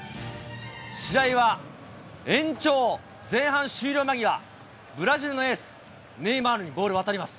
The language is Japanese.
試合は延長前半終了間際、ブラジルのエース、ネイマールにボールが渡ります。